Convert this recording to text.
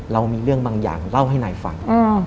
เรามีเรื่องบางอย่างเล่าให้นายฟัง